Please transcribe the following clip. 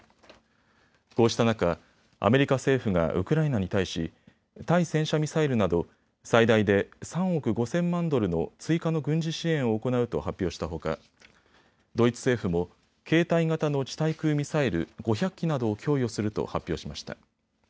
こうした中、アメリカ政府がウクライナに対し対戦車ミサイルなど最大で３億５０００万ドルの追加の軍事支援を行うと発表したほかドイツ政府も携帯型の地対空ミサイル５００基などを供与すると発表しました。